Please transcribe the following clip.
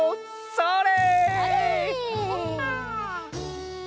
それ！